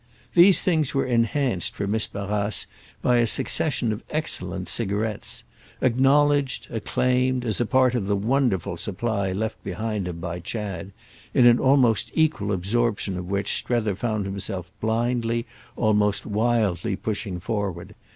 These things were enhanced for Miss Barrace by a succession of excellent cigarettes—acknowledged, acclaimed, as a part of the wonderful supply left behind him by Chad—in an almost equal absorption of which Strether found himself blindly, almost wildly pushing forward.